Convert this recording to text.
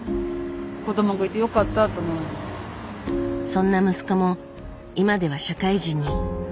そんな息子も今では社会人に。